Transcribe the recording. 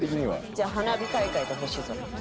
じゃあ「花火大会」と「星空」。